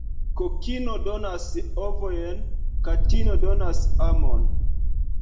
Kokino donas ovojn, katino donas amon.